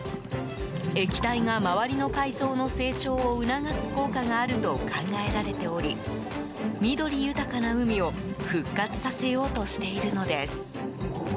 液体が、周りの海藻の成長を促す効果があると考えられており緑豊かな海を復活させようとしているのです。